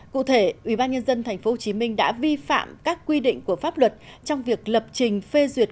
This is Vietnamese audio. cụ thể ủy ban nhân dân tp hcm đã vi phạm các quy định của pháp luật trong việc lập trình phê duyệt